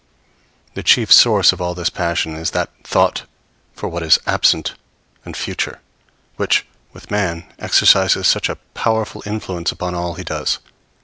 The chief source of all this passion is that thought for what is absent and future, which, with man, exercises such a powerful influence upon all he does.